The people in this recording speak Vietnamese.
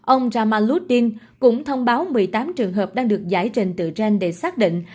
ông jamaluddin cũng thông báo một mươi tám trường hợp đang được giải trình từ gen để xác định